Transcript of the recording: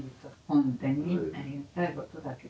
本当にありがたいことだけど。